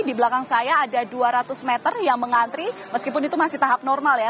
di belakang saya ada dua ratus meter yang mengantri meskipun itu masih tahap normal ya